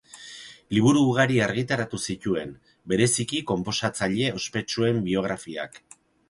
Liburu ugari argitaratu zituen, bereziki konposatzaile ospetsuen biografiak.